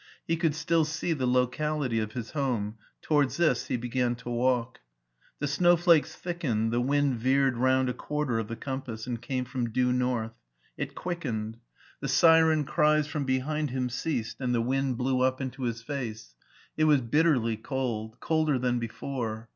He could still see the locality of his home : to wards this he began to walk. The snowflakes thick ened, the wind veered round a quarter of the compass, and came from due north. It quick^^. The siren SCHWARZWALD 283 cries from behind him ceased and tht wind blew up into his face. It was bitterly cold, colder than before.